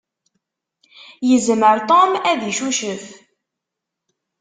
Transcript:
Yezmer Tom ad icucef.